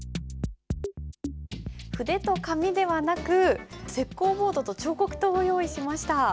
筆と紙ではなく石こうボードと彫刻刀を用意しました。